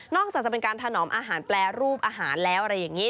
อกจากจะเป็นการถนอมอาหารแปรรูปอาหารแล้วอะไรอย่างนี้